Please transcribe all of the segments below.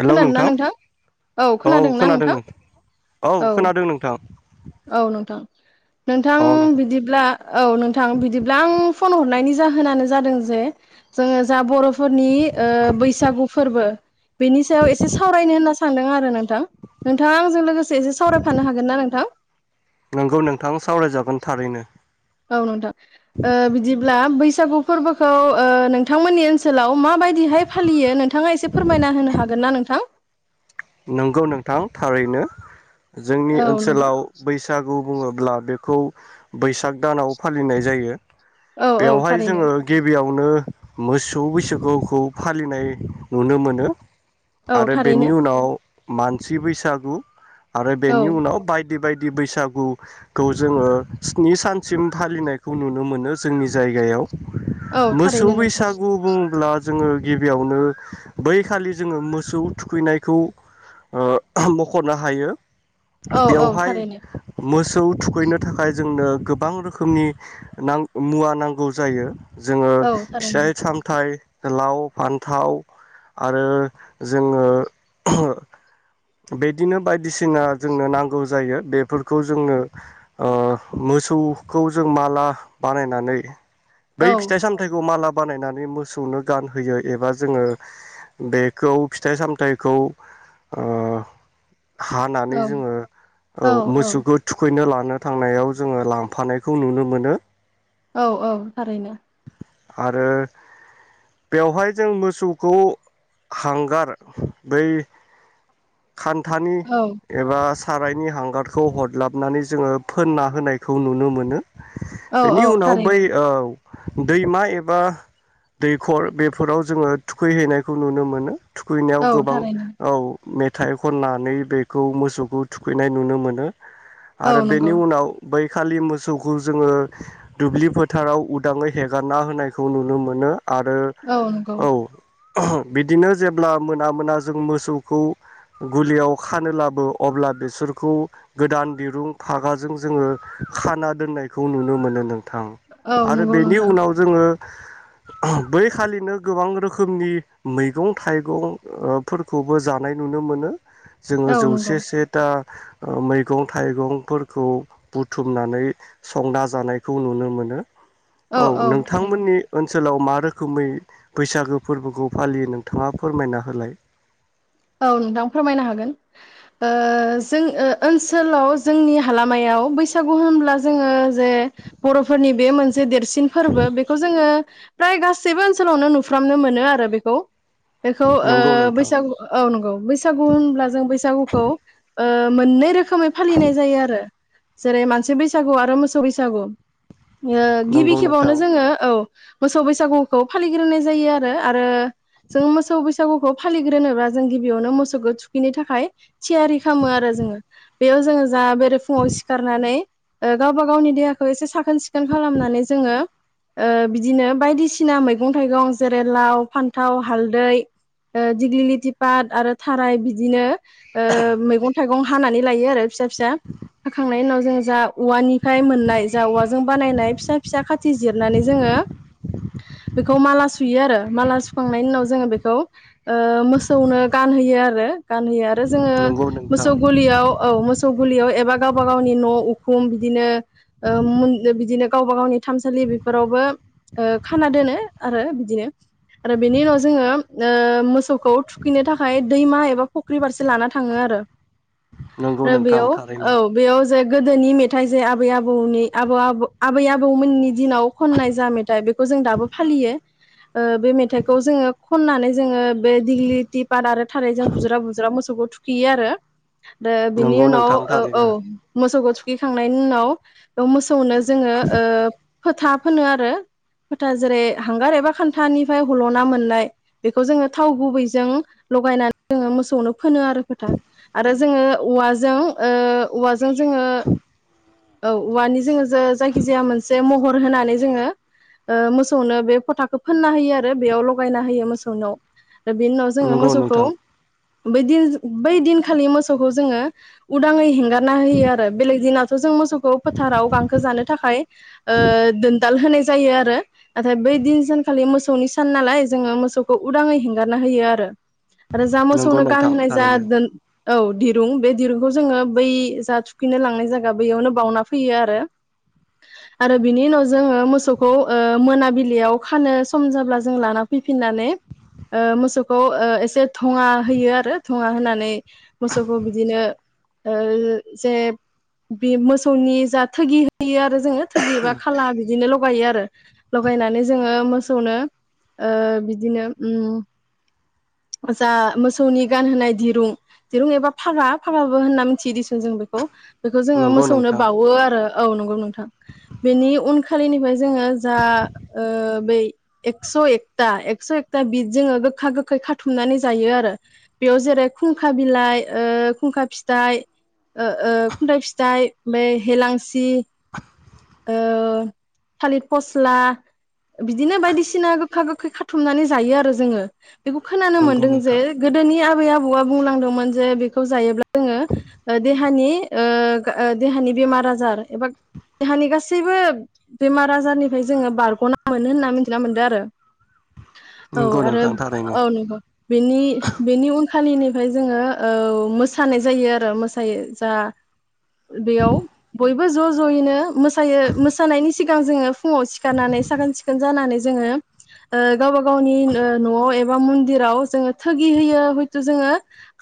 Hello नोंथां औ खोनादोंना खोनादों नोंथां नों औ खोनादों नोंथां औ नोंथां। नोंथां बिदिब्ला औ नोंथां बिदिब्ला आं फन हरनायनि जाहोन जाहोनानो जादों जे जोङो जा बर'फोरनि ओ बैसागु फोरबो बेनि सायाव एसे सावरायनो होनना सानदों आरो नोंथां नोंथाङा आंजों लोगोसे एसे सावरायफानो हागोन ना नोंथां? नोंगौ नोंथां सावरायजागोन थारैनो। औ नोंथां ओ बिदिब्ला ओ बैसागु फोरबोखौ ओ [unintelligible] नोंथांमोननि ओनसोलाव माबायदिहाय फालियो नोंथाङा एसे फोरमायना होनो हागोन ना नोंथां? नोंगौ नोंथां थारैनो। जोंनि औ नोंथां ओनसोलाव बैसागु बुङोब्ला बेखौ बैसाग दानाव फालिनाय जायो। औ औ बेवहाय थारैनो जोङो गिबियाव [unintelligible] मोसौ बैसागुखौ फालिनाय नुनो मोनो। औ आरो थारैनो बेनि उनाव मानसि बैसागु आरो औ बेनि उनाव [unintelligible] बायदि बायदि बैसागुखौ जोङो स्नि सानसिम फालिनायखौ नुनो मोनो जोंनि जायगायाव। औ मोसौ थारैनो नोंथां बैसागु बुंब्ला जोङो गिबियावनो बै खालि जोङो मोसौ थुखैनायखौ ओ मख'नो हायो। औ औ बेवहाय थारैनो मोसौ मोसौ थुखैनो थाखाय जोंनो गोबां रोखोमनि नां मुवा नांगौ जायो। जोङो औ थारैनो फिसाइ -सामथाइ लाव, फान्थाव आरो जोङो [unintelligible] बिदिनो बायदिसिना जोंनो नांगौ जायो बेफोरखौ जोंनो ओ मोसौखौ जों माला बानायनानै बै औ फिथाइ -सामथायाइखौ माला बानायनानै मोसौनो गानहोयो एबा जोङो बेखौ फिथाइ -सामथाइखौ ओह हानानै जोङो औ मोसौखौ थुखैनो [unintelligible] [unintelligible] थांनायाव जोङो लांफानायखौ नुनो मोनो। औ औ थारैनो। आरो बेवहाय जों मोसौखौ हांगार बै खान्थानि औ एबा सारायनि हांगारखौ हडलाबनानै जोङो फोनना होनायखौ नुनो मोनो औ बेनि औ उनाव बै थारैनो ओ दैमा एबा दैखर बेफोराव जोङो थुखैहैनायखौ नुनो मोनो थुखैनायाव औ गोबां थारैनो औ मेथाइ खननानै बेखौ मोसौखौ थुखैनाय नुनो मोनो औ आरो बेनि नंगौ उनाव बै खालि मोसौखौ जोङो दुब्लि फोथाराव उड दाङै हेगारना होनायखौ नुनो मोनो आरो औ नंगौ औ बिदिनो जेब्ला मोना मोना जों मोसौखौ गुलियाव खानो लाबो अब्ला बेसोरखौ गोदान दिरुं फागाजों जोङो खाना दोननायखौ नुनो मोनो नों थां औ आरो नंगौ बेनि नोंथां उनाव जोङो बै खालिनो गोबां रोखोमनि मैगं थाइगं ओ फोरफोरखौबो जानाय नुनो मोनो जोङो औ नंगौ जौसे से टा ओ मैगं थाइगंफोरखौ बुथुमनानै संना जानायखौ नुनो मोनो औ औ थारैनो नोंथांमोननि ओन ओनसोलाव मा रोखोमै बैसागो फोरबोखौ फालियो नोंथाङा फोरमायना होलाय औ नोंथां फोरमायनो हागोन ओ जों ओ ओनसोलाव जोंनि हालामायाव बैसागु होनब्ला जोङो जे बर'फोरनि बे मोनसे से देरसिन फोरबो बेखौ जोङो प्राय गासैबो ओनसोलावनो नुफ्रामनो मोनो आरो बेखौ बेखौ ओ नंगौ नोंथां बैसागु औ नंगौ बैसागु होनब्ला जों बैसागुखौ ओ मोननै रो खोमै फालिनाय जायो आरो जेरै मानसि बैसागु आरो मोसौ बैसागु ओ गिबि नंगौ खेबावनो नोंथां जोङो औ मोसौ बैसागुखौ फालिग्रोनाय जायो आरो आरो जों मोसौ बै सागुखौ फालिग्रोनोबा जों गिबियावनो मोसौखौ थुखिनो थाखाय थियारि खालामो आरो जोङो बेयाव जोङो जा बेरे फुङाव सिखारनानै गावबा गावनि देहाखौ एसे सा खोन सिखोन खालामनानै जोङो ओ बिदिनो बायदिसिना मैगं थाइगं जेरै लाव, फान्थाव, हालदै, दिग्लिलिटि पाट आरो थाराय बिदिनो ओ मैगं थाइगं हानानै लायो आरो फिसा फिसा होखांनायनि उनाव जोङो जा उवानिफ्राय मोननाय जा उवाजों बानायनाइ फिसा पिसा खाथि जिरनानै जोङो बेखौ माला सुयो आरो माला सुखांनायनि उनाव जोङो बेखौ ओ मोस सौनो गानहोयो आरो गानहोयो आ जोङो नंगौ मोसौ नोंथां गलियाव औ मोसौ गलियाव एबा गावबा गावनि न' उखुम बिदिनो ओ मुननो बिदिनो गावबा गावनि थानसालि बेफोरावबो ओ खाना दोनो आरो बिदिनो आरो बेनि उनाव जोङो ओ मोसौखौ थुखैनो थाखाय दैमा एबा फख्रि फारसे लाना थाङो आरो नंगौ रो नोंथां बेयाव थारैनो औ बेयाव जाय गोदोनि मेथाइ जो आब आबै आबौनि आबौ आबौ आबै आबौमोननि दिनाव खननाय जा मेथाइ बेखौ जों दाबो फालियो ओ बे मेथाइखौ जोङो खननानै जोङो बे थि फार आरो थाराय जों बुज्राव बुजा मोसौखौ थुखैयो आरो द बिनि नंगौ उनाव नोंथां औ औ थारैनो मोसौखौ थु खैखांनायनि उनाव मो खौनो जोङो ओ फोथा फोनो आरो फोथा जेरै हांगार एबा खान्थानिफ्राय हल'ना मोननाय बेखौ जोङो थाव गुबैजों लगायनानै जोङो मोसौनो फोनो आरो फोथा आरो जोङो औवाजों औ औवा जों जोङो औ औवानि जोङो जायखिजाया मोनसे महर होनानै जोङो ओ मोसौनो बे फोथाखौ फोनना होयो आरो बेयाव ल'गायना होयो मोसौनाव। ओ बि जोङो नंगौ मोसौखौ नोंथां बै दिन बै दिनखालि मोसौखौ जोङो उदाङै हेंगार नाहोयो आरो बेलेग दिनाव थ' जों सौखौ फोथाराव गांखो जानो थाखाय ओ दोनदाल होनाय जायो आरो नाथाय बै दिन सानखालि मोसौनि सान नालाय जोङो मोसौखौ उदाङै हेंगारना होयो आरो आरो जा नंगौ मोसौनो नोंथां गानहोनाय जा थारैनो दोन औ दिरुं बे दिरुंखौ जोङो बै जा थुखैनो लांनाय जायगा बैयावनो बावउना फैयो आरो आरो बिनि उनाव जोङो मोसौखौ ओ मोनाबिलियाव खानो सम जाब्ला जों लाना फैफिननानै ओ मोसौ खौ ओ एसे धुङा होयो आरो धुङा होनानै नै मोसौखौ बिदिनो ओ जे बि मोसौनि जा थोगि होयो आरो जोङो थोगि बा खाला बिदिनो लगायो आरो लायनानै जोङो मोसौनो ओ बिदिनो उम जा मोसौनि गान होनाय दिरुं दिरुं एबा फागा फागाबो होनना मिथियो दिसुन जों बेखौ। बेखौ जोङो नंगौ मोसौनो नोंथां बावो आरो औ नंगौ नोंथां बेनि उनखालिनिफ्राय जोङो जा ओ बै एकस' एकता एकस' एकता बिद जोङो गोखा गोखै खाथुमनानै जायो आरो बेयाव जेरै खुंखा बिलाइ ओ खुंखा फिथाइ ओ खुन्थाइ फिथाइ बे हेलां दि ओ थालिर फस्ला बिदिनो बायदिसिना गोखा गोखै खाथुमनानै जायो आरो जोङो। बेखौ खोनानो नंगौ मोनदों जे नोंथां गोदोनि आ बै आबौआ बुंलांदोंमोन जे बेखौ जायोब्ला जोङो देहानि ओ देहानि बेमार आजार एबा देहानि गासैबो बेमार आजारनिफ्राय जोङो बारग'ना मोनो होनना मिथिना मोनदों आरो। औ नंगौ आरो नोंथां। थारैनो औ नंगौ बेनि बेनि उन आ खालिनिफ्राय जोङो ओ मोसानाय जायो आरो मोसायो जा बेयाव बयबो ज' ज'यैनो मोसायो मोसानायनि सिगां जोङो फुङाव सिखारनानै साखोन सिखोन जानानै जोङो ओ गावबा गावनि ओ न'आव ए बा मन्दिराव जोङो थोगि होयो हयथ' जोङो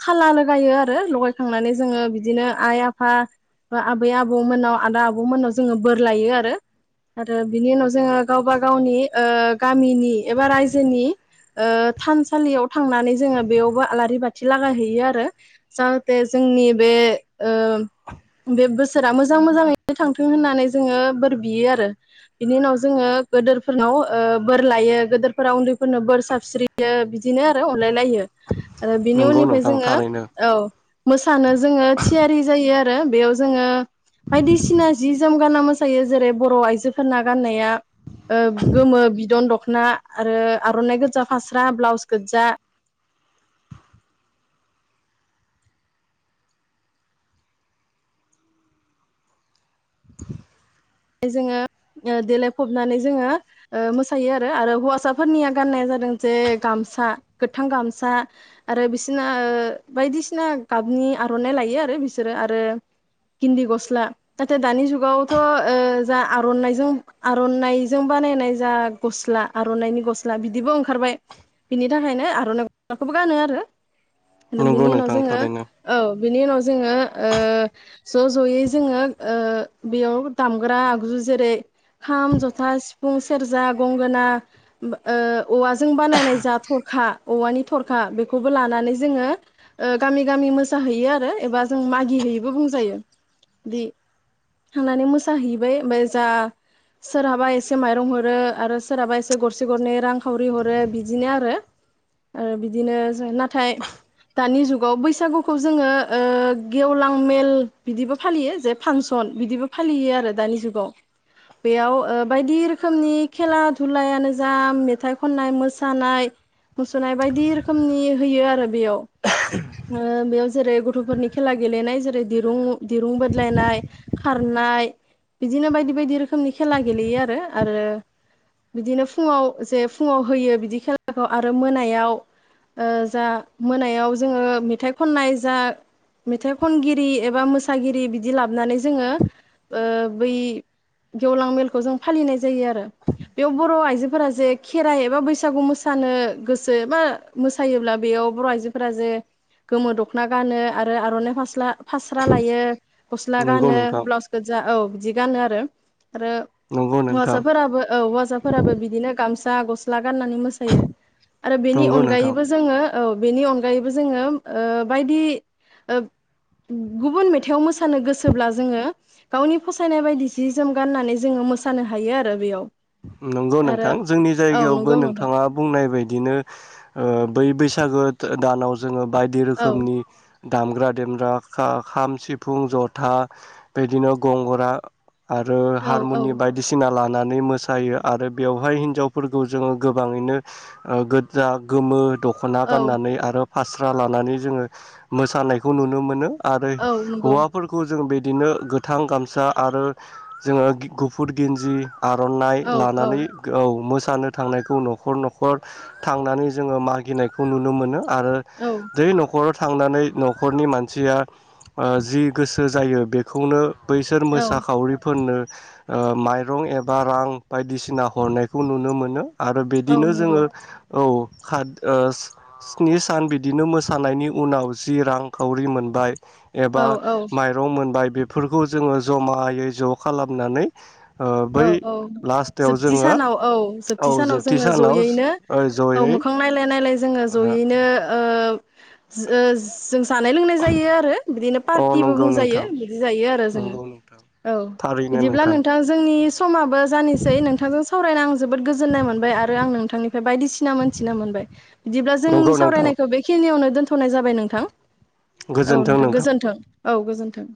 खाला लगायो आरो लगायखांनानै जोङो बिदिनो आइ आफा बा आबै आबौमोननाव आदा आबौमोननाव जोङो बोर लायो आरो आरो बिनि उनाव जोङो गावबा गावनि ओ गामिनि एबा रायजोनि थानसालियाव थांनानै जोङो बेयावबो आलारि बाथि लागाय हैैयो आरो। जाहाथे जोंनि बे ओ बे बोसोरा मोजां मोजाङैनो थांथों होननानै जोङो बोर बियो आरो बिनि उनाव जोङो गोदोरफोरनाव ओ बोर लायो गोदोरफोरनाव उन्दैफोरनाव बोर साबस्रि यो बिदिनो आरो अनलायलायो। आरो बिनि नंगौ उननिफ्राय नोंथां जोङो थारैनो औ मोसानो जोङो थियारि जायो आर आरो बेयाव जोङो बायिदसिना जि जोम गानना मोसायो जेरै बर' आइजोफोरना गाननाया ओ गोमो बिदन दखन ना आरो आर'नाइ गोजा फास्रा ब्लाउस गोजजा जोङो देलायफबनानै जोङो मोसायो आरो आरो हौवासाफोरनिया गाननाया जादों जे गामसा गोथां गामसा आरो बिसना बायदिसिना गाबनि आर'नाइ लायो आरो बिसोरो आरो गिन्दि गस्ला नाथाय दानि जुगावथ' ओ जा आर'नाजों आर'नाइजों बानायनाय जा गस्ला आर'नाइनि गस्ला बिदिबो ओंखारबाय बिनि थाखायनो आर'नाइ गस्लाखौबो गानो आरो। नंगौ बेनि उनाव नोंथां जोङो थारैनो औ बिनि उनाव जोङो ओ ज' ज'यै ओ जोङो बेयाव दामग्रा आगजु जेरै खाम जथा सिफुं सेरजा गंगोना ओ औवाजों बानायनाय जा थरखा औवानि थरखा बेखौबो लानानै जोङो गामि गामि मोसाहैयो आरो एबा जों मागि हैैयोबो बुंजायो बिदि थांनानै मोस जाहैबाय ओमफ्राय जा सोरहाबा एसे माइरं हरो आरो सोरहाबा एसे गरसे गरनै रां खावरि हरो बिदिनो आरो बिदिनो नाथाय दानि जुगाव बैसागुखौ जोङो गेवलां मेल बिदिबो फालियो जे फांसन बिदिबो फालियो। दानि जुाव बेयाव बायदि रोखोमनि खेला धुलायानो जा मेथाइ खननाय मानाय मुसनाय बायदि रोखोमनि होयो आरो। बेयाव ओ बेयाव जेरै गथ'फोरनि खेला गेलेनाय जेरै दिरुं दिरुं बोदलायनाय खारनाय बिदिनो बायदि बायदि रोखोमनि खेला गेलेयो आरो आरो बिदिनो फुङाव जे फुङाव होयो बिदि खेलाखौ आरो मोनायाव जा मोनायाव जोङो मेथाइ खननाय जा मेथाइ खनगिरि एबा मोसागिरि बिदि लाबोनानै जोङो बै गेवलां मेलखौ जों फालिनाय जायो आरो बेयाव बर' आइ आइजोफोरा जे खेराइ एबा बैसागु मोसानो गोसो एबा मोसायोब्ला बेयाव बर' आइजोफोरा जे गोमो दखना गानो आरो आर'नाइ फास्रा फास्रा लायो गस्ला नंगौ गानो नोंथां ब्लाउस गोजा औ जि गानो आरो। आरो नंगौ नोंथां हौवासाफोराबो औ हवासाफोराबो बिदिनो गामसा दा गस्ला गाननानै मोसायो आरो बेनि नंगौ नोंथां अनगायैबो जोङो औ बेनि अनगायैबो जोङो बायदि गुबुन मेथाइआव मोसानो गोसोब्ला जोङो गावनि फसायनाय बायदि सि जोम गाननानै जोङो मोसानो हायो आरो बेयाव नंगौ आरो नोंथां जोंनि औ जायगायावबो नंगौ नोंथां नोंथाङा बुंनाय बायदिनो बै बैसाग बैसागो दानाव जोङो बायदि औ रोखोमनि दामग्रा देग्रा खाम सिफुं जथा बिदिनो गंगना आरो औ औ हारमुनि बायदिसिना ला नानै मोसा जायो आरो बेवहाय हिन्जावफोरखौ जोङो गोबाङैनो गोदा गोमो दख'ना औ गाननानै आरो फास्रा लानानै जोङो मोसानायखौ नुनो मोनो आरो औ नंगौ हौवाफोरखौ जों बे। बिदिनो गोथां गामसा आरो जोङो गुफुर गिन्जि आर'नाइ औ औ लानानै औ मोसा जानो थांनायखौ न'खर न'खर थांनानै जोङो मागिनायखौ नुनो मोनो। आरो औ दै न'खर थांनानै न'खरनि मानसिया जि गोसो जायो बेखौनो बैसोर औ मोसाखावरिफोरनो माइरं एबा रां बायदिसिना हरनायखौ नुनो मोनो। आरो औ बिदिनो नंगौ जोङो। औ स्नि सान बिदिनो मोसानायनि उनाव जि रांखावरि मोनबाय एबा औ औ माइरं मोनबाय बे फोरखौ जोङो जमायै ज' खालामनानै औ बै औ। लास्टाव जोबथि जोङो सानाव औ औ जोबथि सानाव जोङो सानाव ज'यैनो औ जयै मोखां नायलाय नायलाय जोङो अ ज'यैनो ओ ओ जो जों जानाय लोंनाय जायो आरो बिदिनो पार्टिबो नंगौ बुंजायो नोंथां बिदि जायो आरो जोङो नंगौ नोंथां औ थारैनो बिदिब्ला नोंथां नोंथाङा नि समा जानिसै नोंथांजों सावराय आं जोबोद गोजोन्नाय मोनबाय आरो आं नोंथांनिफ्राय बायदिसिना मोनथि मोनबाय बिदिब्ला नंगौ जोंनि नोंथां सावरायनायखौ बेखिनियावनो दोनथ' थ'नाय जाबाय नोंथां। औ नोंथां गोजोन्थों। औ गोजोन्थों।